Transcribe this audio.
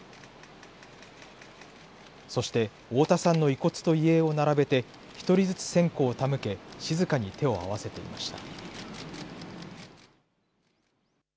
そして、太田さんの遺骨と遺影を並べて１人ずつ線香を手向け静かに手を合わせていました。